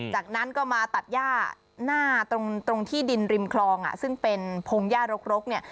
จากนั้นก็มาตัดย่าหน้าตรงที่ดินริมคลองอ่ะซึ่งเป็นพงหญ้ารกรกเนี่ย